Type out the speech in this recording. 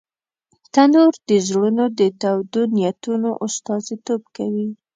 تنور د زړونو د تودو نیتونو استازیتوب کوي